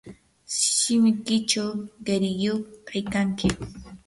shimikiychaw qiriyuq kaykanki.